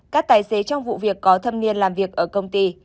các tài xế trong vụ việc có thâm niên làm việc ở công ty